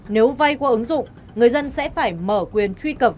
nếu vay qua ứng dụng người dân sẽ phải mở quyền truy cập